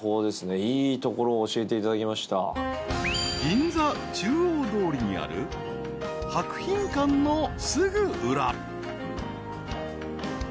［銀座中央通りにある博品館のすぐ裏］